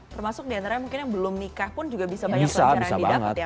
termasuk diantaranya mungkin yang belum nikah pun juga bisa banyak pelajaran didapat ya